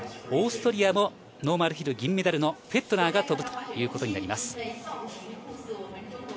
オーストリアもノーマルヒル、銀メダルのフェットナーが飛ぶということになります。